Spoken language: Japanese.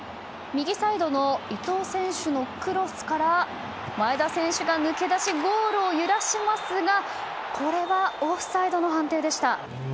右サイドの伊東選手のクロスから前田選手が抜け出しゴールを揺らしますがこれはオフサイドの判定でした。